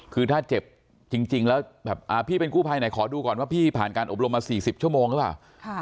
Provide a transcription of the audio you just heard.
คือถ้าเจ็บจริงแล้วแบบพี่เป็นกู้ภัยไหนขอดูก่อนว่าพี่ผ่านการอบรมมา๔๐ชั่วโมงหรือเปล่า